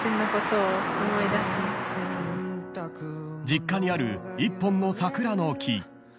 ［実家にある１本の桜の木］